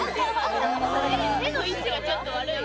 手の位置がちょっと悪い。